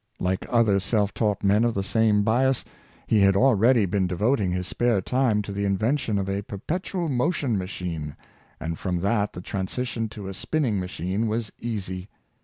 Like other self taught men of the same bias, he had already been devoting his spare time to the invention of a perpetual motion machine, and from that the transition to a spin ning machine was easy.